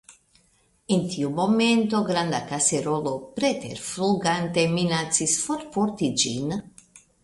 En tiu momento granda kaserolo preterflugante minacis forporti ĝin.